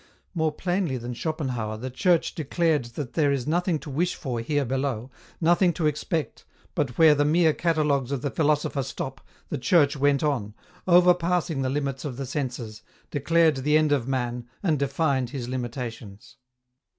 More plamly than Schopenhauer the Church declared that there is nothing to wish for here below, nothing to expect, but where the mere catalogues of the philosopher stop, the Church went on, overpassing the limits of the senses, declared the end of man, and defined his limitations.